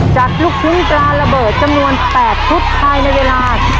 จัดลูกทุ่มปลาระเบิร์ตจำนวน๘ทุศไทยในเวลา๓นาที